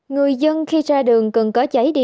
người dân khi ra đường cần có giấy điện